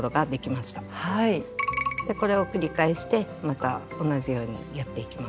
これを繰り返してまた同じようにやっていきます。